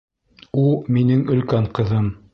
— У минең өлкән ҡыҙым!